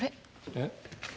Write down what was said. えっ？